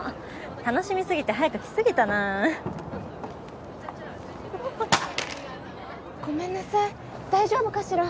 楽しみすぎて早く来すぎたなあっごめんなさい大丈夫かしら？